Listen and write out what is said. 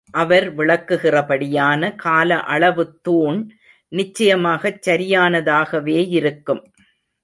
அவர் விளக்குகிறபடியான கால அளவுத் தூண் நிச்சயமாகச் சரியானதாகவேயிருக்கும்.